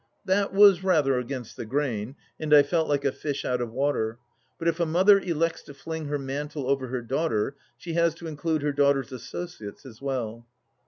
That was rather against the grain and I felt like a fish out of water but if a mother elects to fling her mantle over her daughter she has to include her daughter's associates as well.